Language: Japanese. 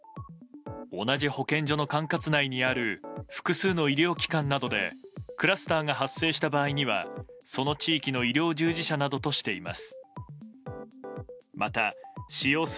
同じ保健所の管轄内にある複数の医療機関などでクラスターが発生した場合にはその地域の医療従事者などとしています。